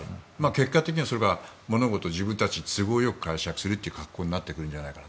結果的にはそれが物事を自分たちに都合よく解釈する格好になってくるのではないか。